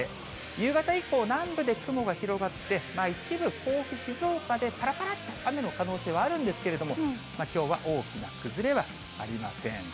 夕方以降、南部で雲が広がって、一部、甲府、静岡でぱらぱらっと雨の可能性はあるんですけれども、きょうは大きな崩れはありません。